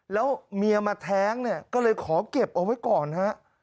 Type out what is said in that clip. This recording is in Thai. แล้วเมียมาแท้งเนี่ยก็เลยขอเก็บเอาไว้ก่อนฮะ